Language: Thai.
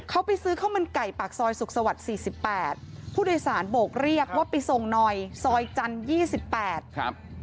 เขาไปซื้อข้าวมันไก่ปากซอยสุขสวรรค์๔๘ผู้โดยสารโบกเรียกว่าไปส่งหน่อยซอยจันทร์๒๘ครับ